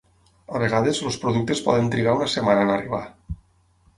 A vegades, els productes poden trigar una setmana en arribar.